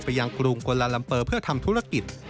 ยังกรุงกวนลาลัมเปอร์เพื่อทำธุรกิจ